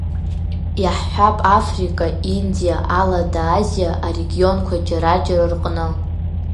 Иаҳҳәап Африка, Индиа, Алада Азиа арегионқәа џьара-џьара рҟны.